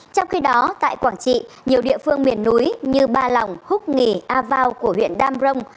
trong khi đó tại quảng trị nhiều địa phương miền núi như ba lòng húc nghì a vau của huyện đam rông